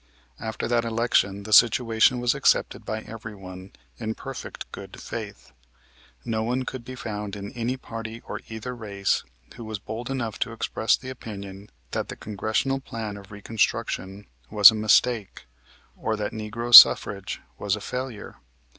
After that election the situation was accepted by everyone in perfect good faith. No one could be found in any party or either race who was bold enough to express the opinion that the Congressional Plan of Reconstruction was a mistake, or that negro suffrage was a failure.